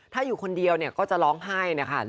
ถ้าอยู่คนเดียวเนี่ยก็จะร้องไห้นะคะ